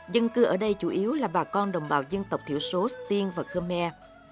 dân cư ở đây chủ yếu là bà con đồng bào dân tộc thiểu số st tiên và khmer